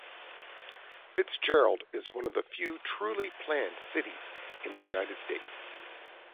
Fitzgerald is one of the few truly planned cities in the United States.